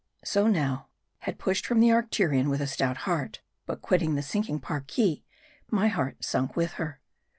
So now. I had pushed from the Arcturion with a stout heart ; but quitting the sinking Parki, my heart sunk with her.